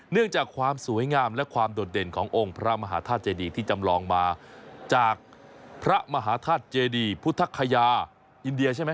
จากความสวยงามและความโดดเด่นขององค์พระมหาธาตุเจดีที่จำลองมาจากพระมหาธาตุเจดีพุทธคยาอินเดียใช่ไหม